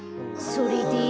それで？